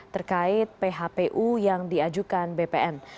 terkait phpu yang diajukan bpn